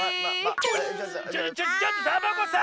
ちょちょちょちょっとサボ子さん！